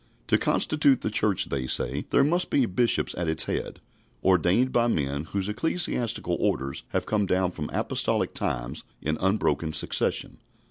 To constitute the Church they say there must be bishops at its head, ordained by men whose ecclesiastical orders have come down from apostolic times in unbroken succession.